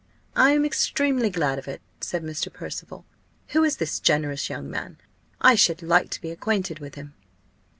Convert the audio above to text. "I am extremely glad of it," said Mr. Percival. "Who is this generous young man? I should like to be acquainted with him."